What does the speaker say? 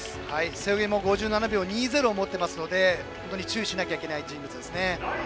背泳ぎも２７秒２０を持っていますので注意しなくてはいけない人物ですね。